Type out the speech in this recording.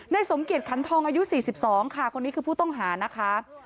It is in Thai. ได้สมเกียจคันทองอายุสี่สิบสองค่ะคนนี้คือผู้ต้องหานะคะ